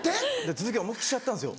頭突き思い切りしちゃったんですよ。